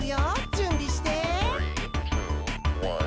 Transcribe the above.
じゅんびして。